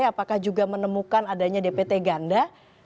apakah juga menemukan adanya dpt ganda